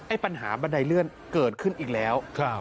ปัญหาบันไดเลื่อนเกิดขึ้นอีกแล้ว